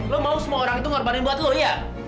lu mau semua orang itu ngorbanin buat lu iya